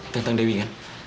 tentang dewi kan